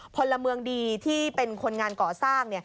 พลเมืองดีที่เป็นคนงานก่อสร้าง